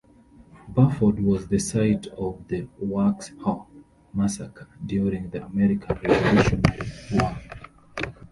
Buford was the site of the Waxhaw Massacre during the American Revolutionary War.